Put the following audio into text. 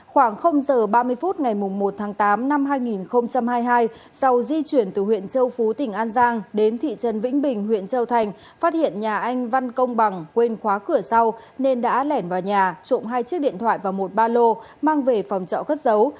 khoảng giờ ba mươi phút ngày một tháng tám năm hai nghìn hai mươi hai sau di chuyển từ huyện châu phú tỉnh an giang đến thị trấn vĩnh bình huyện châu thành phát hiện nhà anh văn công bằng quên khóa cửa sau nên đã lẻn vào nhà trộm hai chiếc điện thoại và một ba lô mang về phòng trọ cất dấu